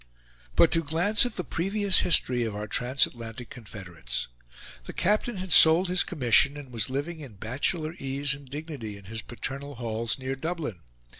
But to glance at the previous history of our transatlantic confederates. The captain had sold his commission, and was living in bachelor ease and dignity in his paternal halls, near Dublin.